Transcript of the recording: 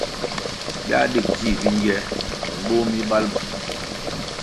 Biā dig dzih bingiē mimboh mi bal bvu.